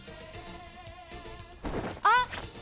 あっ！